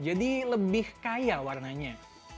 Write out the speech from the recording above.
jadi lebih kaya warnanya